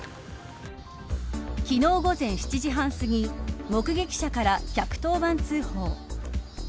昨日午前７時半すぎ目撃者から１１０番通報。